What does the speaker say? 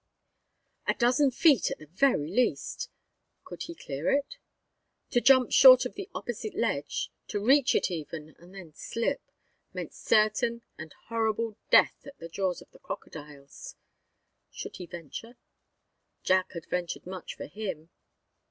A dozen feet at the very least! Could he clear it? To jump short of the opposite ledge, to reach it, even, and then slip, meant certain and horrible death at the jaws of the crocodiles. Should he venture? Jack had ventured much for him.